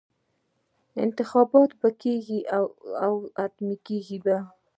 انتخابات به کېږي او حتمي به کېږي.